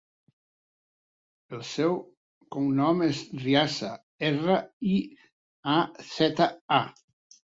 El seu cognom és Riaza: erra, i, a, zeta, a.